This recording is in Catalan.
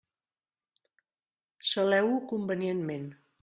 Saleu-ho convenientment.